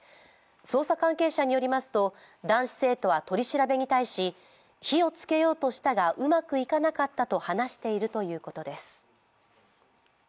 捜査関係者によりますと男子生徒は取り調べに対し火をつけようとしたがうまくいかなかったと話しているということです。